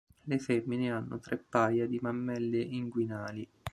Le femmine hanno tre paia di mammelle inguinali.